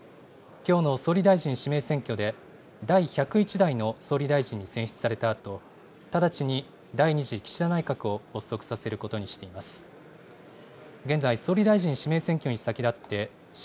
きょうの総理大臣指名選挙で、第１０１代の総理大臣に選出されたあと、直ちに第２次岸田内閣を発足させることにしています。